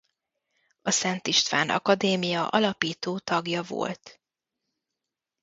A Szent István Akadémia alapító tagja volt.